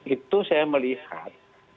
itu saya melihat